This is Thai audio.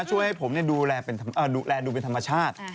ช่วยให้ผมดูแลดูเป็นธรรมชาติ